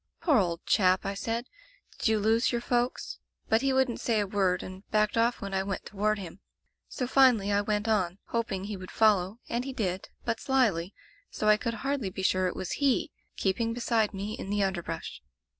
*Poor old chap,' I said, 'did you lose your folks ?' But he wouldn't eay a word, and backed off when I went tow ard him, so finally I went on, hoping he would follow, and he did, but slyly, so I could hardly be sure it was he, keeping beside me in the underbrush.